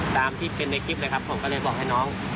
ตามที่เป็นในคลิปเลยครับผมก็เลยบอกให้น้อง